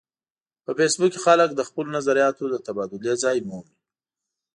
په فېسبوک کې خلک د خپلو نظریاتو د تبادلې ځای مومي